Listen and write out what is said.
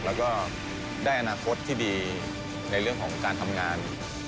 แล้วก็ได้อนาคตที่ดีในเรื่องของการทำงาน